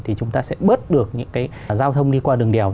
thì chúng ta sẽ bớt được những cái giao thông đi qua đường đèo